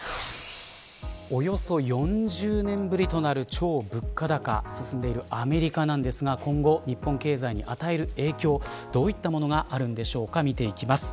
およそ４０年ぶりとなる超物価高進んでいるアメリカなんですが今後、日本経済に与える影響どういったものがあるんでしょうか見ていきます。